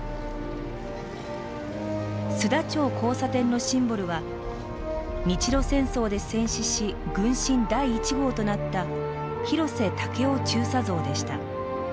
須田町交差点のシンボルは日露戦争で戦死し軍神第１号となった広瀬武夫中佐像でした。